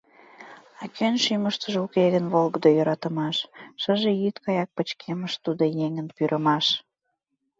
А кӧн шӱмыштӧ уке гын Волгыдо йӧратымаш, Шыже йӱд гаяк пычкемыш Тудо еҥын пӱрымаш.